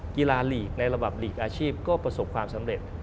ลีกในระดับหลีกอาชีพก็ประสบความสำเร็จ